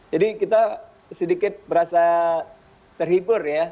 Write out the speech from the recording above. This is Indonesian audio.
jadi kita sedikit berasa terhibur ya